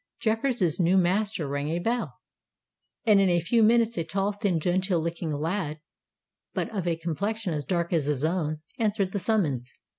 Jeffreys' new master rang a bell; and in a few minutes a tall, thin, genteel looking lad, but of a complexion as dark as his own, answered the summons.